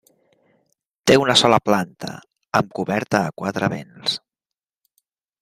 Té una sola planta, amb coberta a quatre vents.